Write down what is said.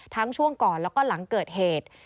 ช่วงก่อนแล้วก็หลังเกิดเหตุ